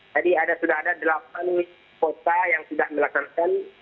jadi sudah ada delapan kota yang sudah melakukan kotak suara